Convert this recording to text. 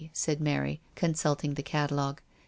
said Mary, consulting the catalogue.